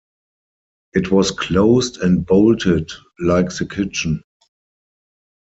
It was closed and bolted like the kitchen.